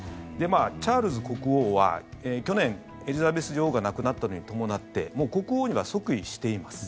チャールズ国王は去年、エリザベス女王が亡くなったのに伴ってもう国王には即位しています。